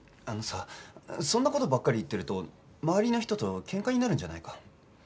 あのさそんな事ばっかり言ってると周りの人と喧嘩になるんじゃないか？